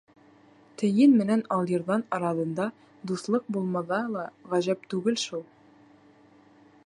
Тейен менән алйырҙан араҙында дуҫлыҡ булмаҙа ла ғәжәп түгел шул.